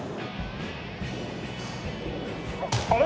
あれ？